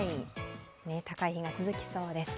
高い日が続きそうです。